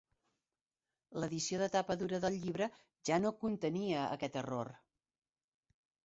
L'edició de tapa dura del llibre ja no contenia aquest error.